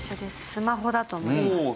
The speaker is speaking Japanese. スマホだと思います。